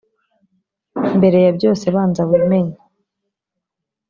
Mbere ya byose banza wimenye